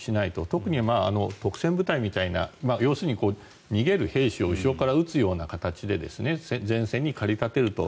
特に督戦部隊みたいな要するに逃げる兵士を後ろから撃つような形で前線に駆り立てると。